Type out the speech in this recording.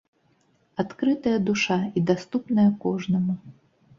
Адкрытая душа і даступная кожнаму.